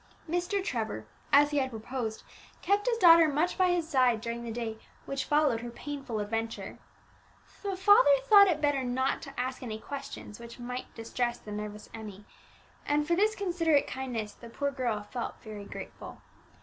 Mr. Trevor, as he had proposed, kept his daughter much by his side during the day which followed her painful adventure. The father thought it better not to ask any questions which might distress the nervous Emmie, and for this considerate kindness the poor girl felt very grateful.